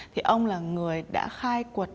thì ông là người đã khai quật